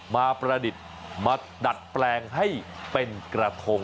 ประดิษฐ์มาดัดแปลงให้เป็นกระทง